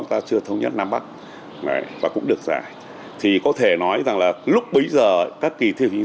ta chưa thống nhất nam bắc và cũng được giải thì có thể nói rằng là lúc bấy giờ các kỳ thi học sinh